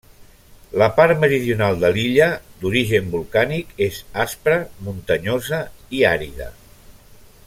La part meridional de l'illa, d'origen volcànic, és aspra, muntanyosa i àrida.